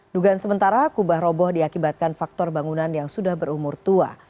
dugaan sementara kubah roboh diakibatkan faktor bangunan yang sudah berumur tua